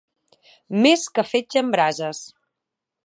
Més que fetge en brases.